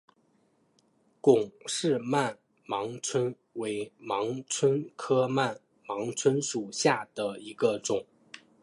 龚氏曼盲蝽为盲蝽科曼盲蝽属下的一个种。